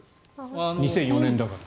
２００４年だから。